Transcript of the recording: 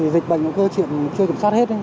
dịch bệnh nó cơ truyện chưa kiểm soát hết